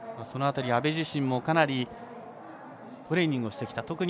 その辺り、阿部自身もかなりトレーニングをしてきたと。